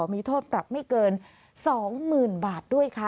มีโทษปรับไม่เกิน๒๐๐๐๐บาทด้วยค่ะ